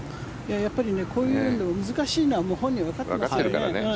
やっぱりこういうの難しいのは本人わかってますからね。